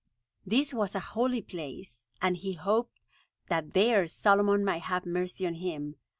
This was a holy place, and he hoped that there Solomon might have mercy on him.